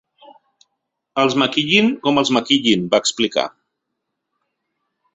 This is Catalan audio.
Els maquillin com els maquillin, va explicar.